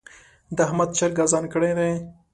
د احمد چرګ اذان کړی دی.